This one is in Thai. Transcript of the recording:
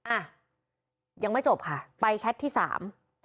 อ่ะยังไม่จบค่ะไปแชทที่สาม